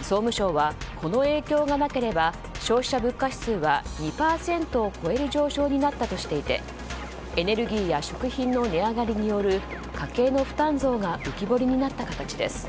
総務省は、この影響がなければ消費者物価指数は２％を超える上昇になったとしていてエネルギーや食品の値上がりによる家計の負担増が浮き彫りになった形です。